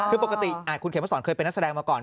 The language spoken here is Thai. คือปกติคุณเขมสอนเคยเป็นนักแสดงมาก่อน